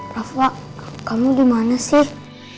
rafa kamu dimana sih